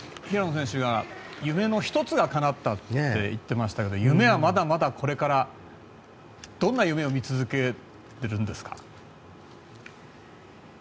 平野選手が夢の１つがかなったって言ってましたけど夢はまだまだこれからどんな夢を見続けてるんですか？